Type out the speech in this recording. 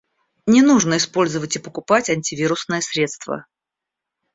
Не нужно использовать и покупать антивирусные средства